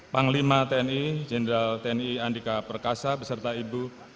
wakil presiden ke lima tni jenderal tni andika perkasa beserta ibu